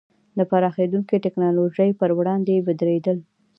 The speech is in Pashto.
د پراخېدونکې ټکنالوژۍ پر وړاندې ودرېدل.